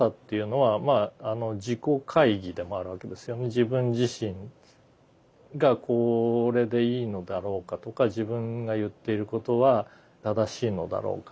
自分自身がこれでいいのだろうかとか自分が言っていることは正しいのだろうか。